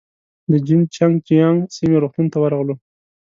د جين چنګ جيانګ سیمې روغتون ته ورغلو.